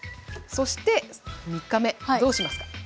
そして３日目どうしますか？